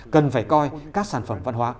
cần phải coi các sản phẩm văn hóa